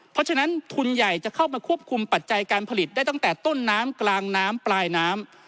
เพราะฉะนั้นทุนใหญ่จะเข้ามาควบคุมปัจจัยการผลิตได้ตั้งแต่ต้นน้ำกลางน้ำปลายน้ำ